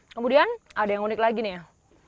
kemudian ada yang unik lagi nih ya